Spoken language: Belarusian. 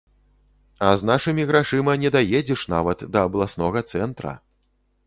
А з нашымі грашыма не даедзеш нават да абласнога цэнтра.